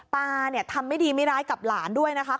ตาเนี่ยทำไม่ดีไม่ร้ายกับหลานด้วยนะคะ